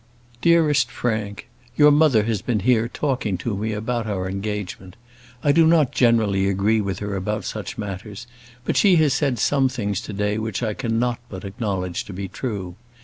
DEAREST FRANK, Your mother has been here talking to me about our engagement. I do not generally agree with her about such matters; but she has said some things to day which I cannot but acknowledge to be true.